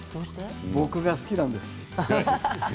僕が好きなんです。